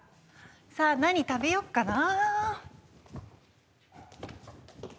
さあ何食べよっかなぁ。